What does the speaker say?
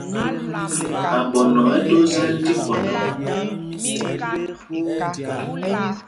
Aɓɔnɔ ɛ́ ɛ́ do zɛ́l tí pɔndɔ.